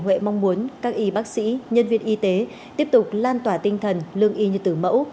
nguyễn huệ mong muốn các y bác sĩ nhân viên y tế tiếp tục lan tỏa tinh thần lương y như tử mẫu